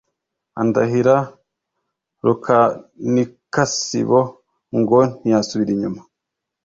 Andahira Rukanikasibo, ngo ntiyasubira inyuma,